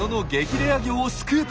レア魚をスクープ！